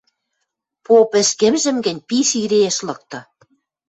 Поп ӹшкӹмжӹм гӹнь пиш иреэш лыкты.